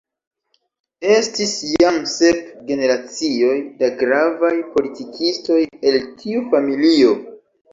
Estis jam sep generacioj da gravaj politikistoj el tiu familio.